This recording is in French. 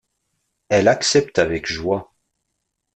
Elle accepte avec joie.